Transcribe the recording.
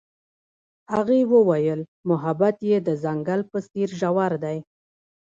هغې وویل محبت یې د ځنګل په څېر ژور دی.